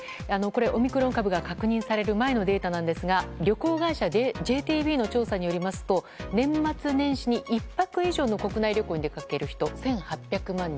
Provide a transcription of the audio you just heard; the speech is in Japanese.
オミクロン株が確認される前のデータなんですが旅行会社ＪＴＢの調査によりますと年末年始に１泊以上の国内旅行に出かける人が１８００万人。